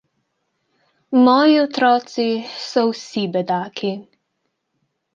Moji otroci so vsi bedaki.